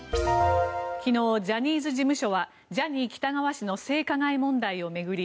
昨日、ジャニーズ事務所はジャニー喜多川氏の性加害問題を巡り